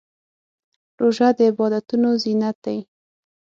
روژه د عبادتونو زینت دی.